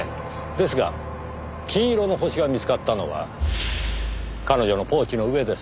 ですが金色の星が見つかったのは彼女のポーチの上です。